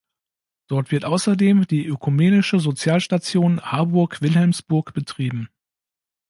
Dort wird außerdem die Ökumenische Sozialstation Harburg-Wilhelmsburg betrieben.